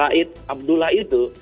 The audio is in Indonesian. laid abdullah itu